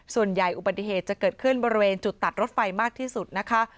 ส่วนใหญ่อุบัติเหตุจะเกิดขึ้นบริเวณจุดตัดรถไฟมากที่สุดนะคะ